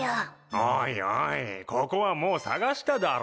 おいおいここはもう捜しただろ。